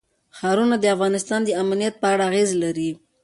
ښارونه د افغانستان د امنیت په اړه اغېز لري.